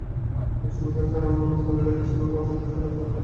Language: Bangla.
তিনি সন্তানকে সানিডেইল স্কুলে পৌঁছে দিয়ে ফের ওই পুলিশ সদস্যের কাছে যান।